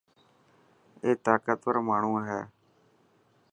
اي طاقتور ماڻهو هي.